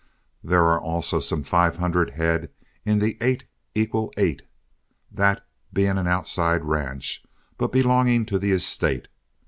There are also some five hundred head in the '8=8,' that being an outside ranch, but belonging to the estate.